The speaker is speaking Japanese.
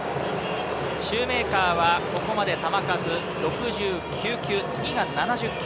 シューメーカーはここまで球数６９球。